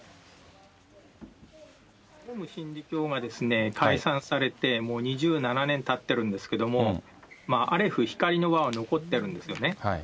オウム真理教が解散されてもう２７年たってるんですけれども、アレフ光の輪は残ってるんですね。